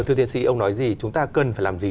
thưa tiến sĩ ông nói gì chúng ta cần phải làm gì